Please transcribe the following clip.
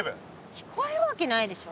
聞こえるわけないでしょ。